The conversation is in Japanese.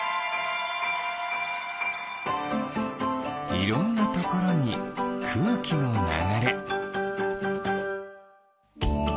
いろんなところにくうきのながれ。